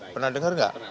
pernah dengar enggak